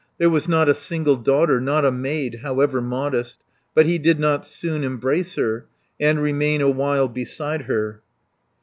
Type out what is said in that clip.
There was not a single daughter, Not a maid, however modest, But he did not soon embrace her, And remain awhile beside her.